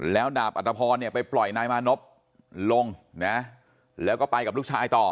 แล้วดาบอัตภพรเนี่ยไปปล่อยนายมานพลงนะแล้วก็ไปกับลูกชายต่อ